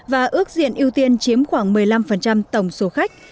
và ước diện ưu tiên chiếm khoảng một mươi năm tổng số khách